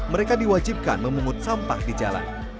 mereka diwajibkan memungut sampah di jalan